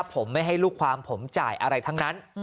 ผมไม่ให้ลูกความผมจ่ายอะไรทั้งนั้น